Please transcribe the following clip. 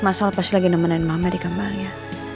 masalah pasti lagi nemenin mama di kamarnya